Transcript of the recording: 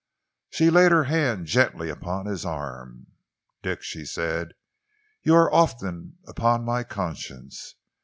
She laid her hand gently upon his arm. "Dick," she said, "you are often upon my conscience.